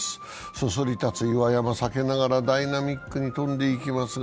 そそり立つ岩山を避けながらダイナミックに飛んでいきますが